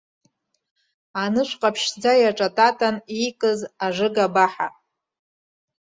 Анышә ҟаԥшьӡа иаҿататан иикыз ажыга баҳа.